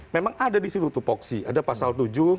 memang ada di situ tuh foksi ada pasal tujuh